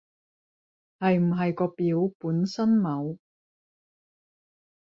係唔係個表本身冇